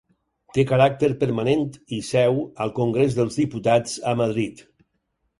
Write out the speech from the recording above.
Té caràcter permanent i seu al Congrés dels Diputats a Madrid.